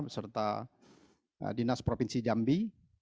serta dinas provinsi jambi